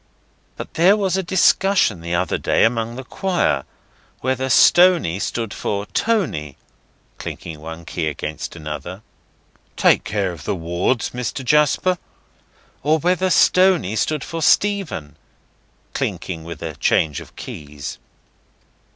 But there was a discussion the other day among the Choir, whether Stony stood for Tony;" clinking one key against another. ("Take care of the wards, Mr. Jasper.") "Or whether Stony stood for Stephen;" clinking with a change of keys.